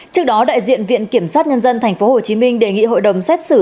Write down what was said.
trước đó đại diện viện kiểm sát nhân dân tp hcm đề nghị hội đồng xét xử